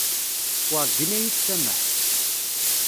Werǧin ad yi-tsameḥ.